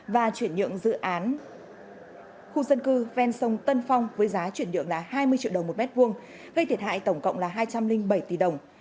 và chuyển nhượng dự án khu dân cư ven sông tân phong với giá chuyển nhượng hai mươi triệu đồng một m hai gây thiệt hại tổng cộng hai trăm linh bảy tỷ đồng